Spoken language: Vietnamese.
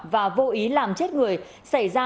và vô ý làm chết người xảy ra